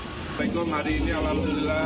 assalamualaikum hari ini alhamdulillah